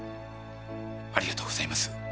ありがとうございます。